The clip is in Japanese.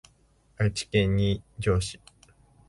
愛知県新城市